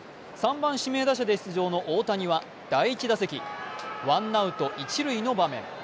３番・指名打者で出場の大谷は第１打席、ワンアウト一塁の場面。